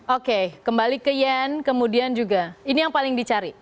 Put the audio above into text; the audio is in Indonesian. oke kembali ke yen kemudian juga ini yang paling dicari